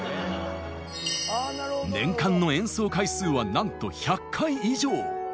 年間の演奏回数はなんと１００回以上。